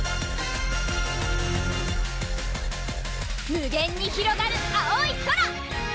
無限にひろがる青い空！